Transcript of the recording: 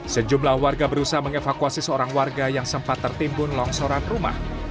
sejumlah warga berusaha mengevakuasi seorang warga yang sempat tertimbun longsoran rumah